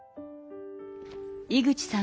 井口さん